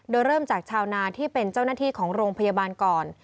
โดยเริ่มจากชาวนาที่เป็นเจ้าหน้าที่ของโรงพยาบาลก่อน